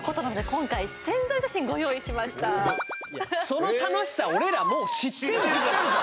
その楽しさ俺らもう知ってんだ